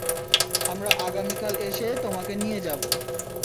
আমরা আগামীকাল এসে তোমাকে নিয়ে যাবো।